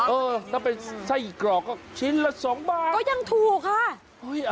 เออถ้าเป็นไส้กรอกก็ชิ้นละ๒บาทก็ยังถูกค่ะ